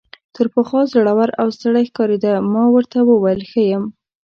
تر پخوا زوړ او ستړی ښکارېده، ما ورته وویل ښه یم.